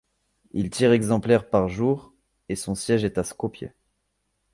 Il tire exemplaires par jour, et son siège est à Skopje.